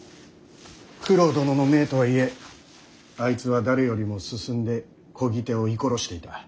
九郎殿の命とはいえあいつは誰よりも進んでこぎ手を射殺していた。